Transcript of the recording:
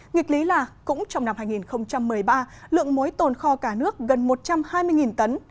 nghịch lý là cũng trong năm hai nghìn một mươi ba lượng muối tồn kho cả nước gần một trăm hai mươi tấn